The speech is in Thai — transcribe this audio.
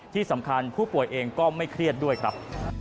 ที่สำคัญผู้ป่วยเองก็ไม่เครียดด้วยครับ